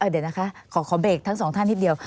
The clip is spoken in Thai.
เดี๋ยวนะคะขอเบรกทั้งสองท่านนิดเดียว